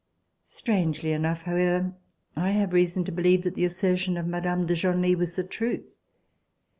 Strangely enough, however, I have reason to believe that the assertion of Mme. de Genlis was the truth.